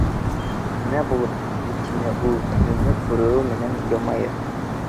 Нимә булып китте? — тине ул мине күреү менән йылмайып.